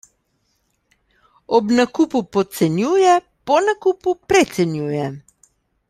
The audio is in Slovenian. Ob nakupu podcenjuje, po nakupu precenjuje.